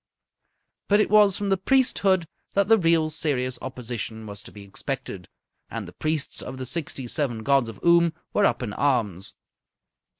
But it was from the priesthood that the real, serious opposition was to be expected. And the priests of the sixty seven gods of Oom were up in arms.